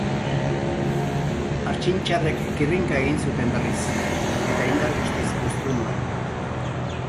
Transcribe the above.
Hartxintxarrek kirrinka egin zuten berriz, eta indar guztiz puztu nuen.